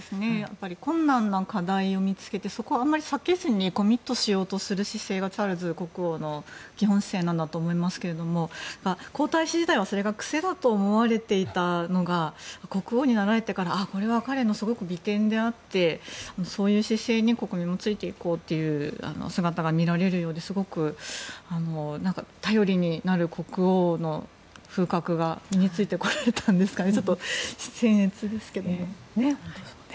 困難な課題を見つけてそこをあまり避けずにコミットしようとする姿勢がチャールズ国王の基本姿勢なんだと思いますけど皇太子時代はそれが癖だと思われていたのが国王になられてからこれは彼のすごく美点であってそういう姿勢に国民もついていこうという姿が見られるようですごく頼りになる国王の風格が身に付いてこられたんですかね。